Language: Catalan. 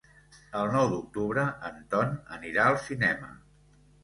El nou d'octubre en Ton anirà al cinema.